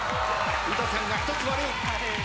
詩さんが１つ割る。